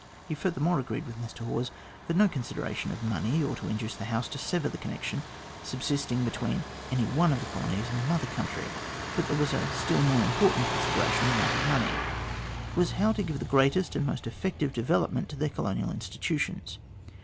He furthermore agreed with Mr Hawes that no consideration of money ought to induce the House to sever the connection subsisting between any one of the colonies and the Mother Country, but there was a still more im portant consideration than that of money. It was how tor give the greatest and most effective development to their \ colonial institutions.